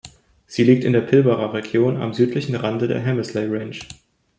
Sie liegt in der Pilbara Region am südlichen Rande der Hamersley Range.